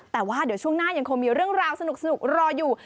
แต่ว่าเดี๋ยวช่วงหน้ายังคงมีเรื่องราวสนุกรออยู่